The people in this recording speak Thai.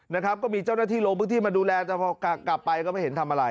นะครับก็มีเจ้าหน้าที่ลงพื้นที่มาดูแลแต่พอกลับไปก็ไม่เห็นทำอะไร